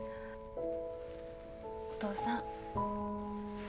お父さん。